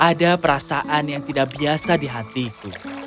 ada perasaan yang tidak biasa di hatiku